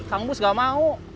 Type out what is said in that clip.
kang mus gak mau